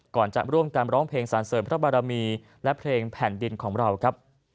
ก่อนจะร่วมกันร้องเพลงสารเสริมพระบารมีและเพลงแผ่นดินของเราครับ